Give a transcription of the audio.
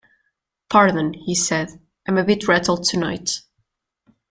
“Pardon,” he said, “I’m a bit rattled tonight”.